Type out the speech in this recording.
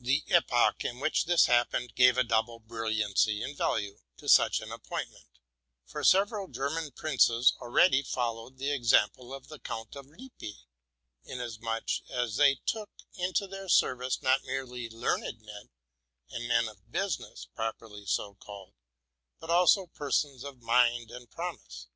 The epoch in which this happened gave a double brillianey and value to such an appointment; for several German princes already followed the example of the Count of Lippe, inasmuch as they took into their service, not merely learned men, and men of business, properly so called, but also per sons of mind and promise.